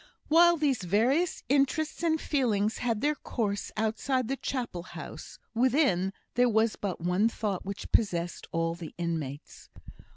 While these various interests and feelings had their course outside the Chapel house, within there was but one thought which possessed all the inmates.